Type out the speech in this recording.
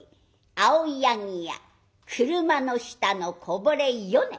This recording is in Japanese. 「青柳や車の下のこぼれ米」。